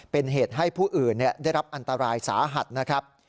เป็นเหตุให้ผู้อื่นได้รับอันตรายสาหัสนะครับ